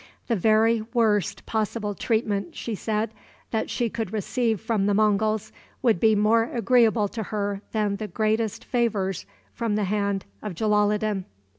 The very worst possible treatment, she said, that she could receive from the Monguls would be more agreeable to her than the greatest favors from the hand of Jalaloddin.